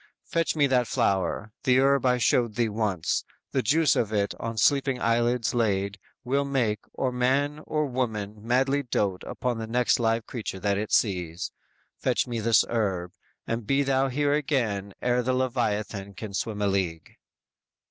Fetch me that flower; the herb I showed thee once, The juice of it on sleeping eyelids laid, Will make, or man or woman madly dote Upon the next live creature that it sees. Fetch me this herb; and be thou here again Ere the Leviathan can swim a league."